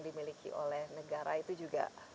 dimiliki oleh negara itu juga